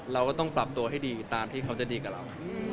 เราก็ต้องปรับตัวให้ดีตามที่เขาจะดีกับเรา